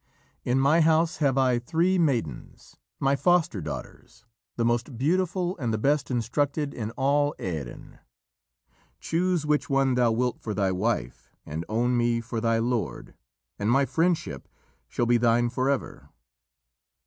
In my house have I three maidens, my foster daughters, the most beautiful and the best instructed in all Erin. Choose which one thou wilt for thy wife, and own me for thy lord, and my friendship shall be thine forever."